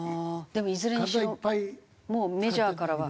でもいずれにしろもうメジャーからは。